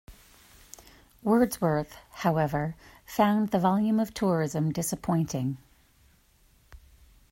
Wordsworth, however, found the volume of tourism disappointing.